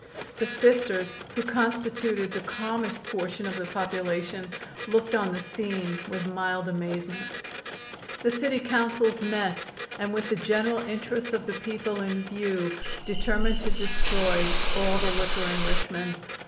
The Sisters, who constituted the calmest portion of the population, looked on the scene with mild amazement. The City Councils met and with the general interests of the people in view determined to destroy all the liquor in Richmond.